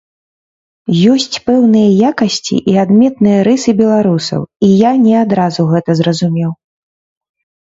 Ёсць пэўныя якасці і адметныя рысы беларусаў, і я не адразу гэта зразумеў.